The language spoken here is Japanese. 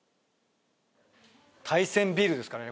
対戦ビールですからね